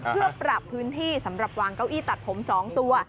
เพื่อปรับพื้นที่สำหรับวางเก้าอี้ตัดผม๒ตัว